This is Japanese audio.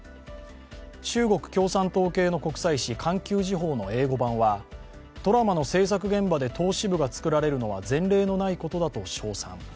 中国共産党系の国際紙「環球時報」の英語版はドラマの制作現場で党支部が作られるのは前例のないことだと称賛。